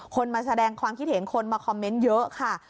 มาแสดงความคิดเห็นคนมาคอมเมนต์เยอะค่ะ